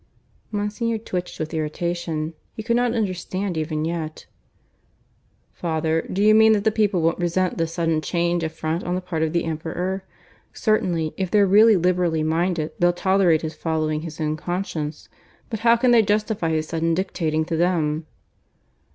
Monsignor twitched with irritation. He could not understand even yet. "Father, do you mean that the people won't resent this sudden change of front on the part of the Emperor? Certainly, if they're really liberally minded they'll tolerate his following his own conscience. But how can they justify his suddenly dictating to them?"